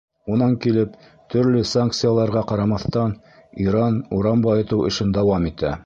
Унан килеп, төрлө санкцияларға ҡарамаҫтан, Иран уран байытыу эшен дауам итә.